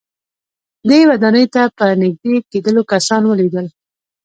دې ودانۍ ته په نږدې کېدلو کسان وليدل.